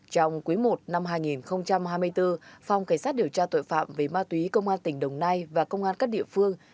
trong quý i năm hai nghìn hai mươi bốn phòng cảnh sát điều tra tội phạm về ma túy công an tỉnh đồng nai và công an các địa phương